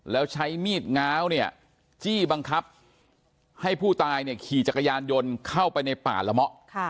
แล้วใช้มีดง้าวเนี่ยจี้บังคับให้ผู้ตายเนี่ยขี่จักรยานยนต์เข้าไปในป่าละเมาะ